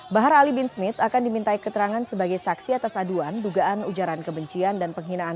bahar ali bin smith akan diminta keterangan sebagai saksi atas aduan dugaan ujaran kebencian dan penghinaan